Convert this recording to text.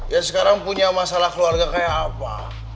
ya sekarang punya masalah keluarga kayak apa